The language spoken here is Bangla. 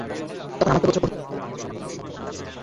তখন অমাত্যপুত্র কহিলেন, তবে তাঁহার সমাগম দুঃসাধ্য বোধ হইতেছে।